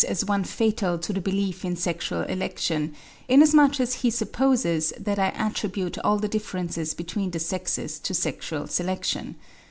865) as one fatal to the belief in sexual election, inasmuch as he supposes that I attribute all the differences between the sexes to sexual selection.